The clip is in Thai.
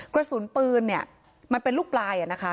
กระสุนปืนเนี่ยมันเป็นลูกปลายนะคะ